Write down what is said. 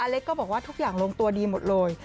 เล็กก็บอกว่าทุกอย่างลงตัวดีหมดเลย